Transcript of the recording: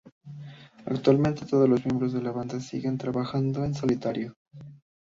Actualmente todos los miembros de la banda siguen trabajando en solitario.